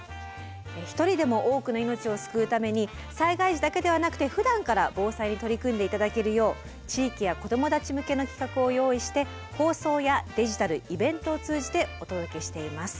一人でも多くの命を救うために災害時だけではなくてふだんから防災に取り組んで頂けるよう地域や子どもたち向けの企画を用意して放送やデジタルイベントを通じてお届けしています。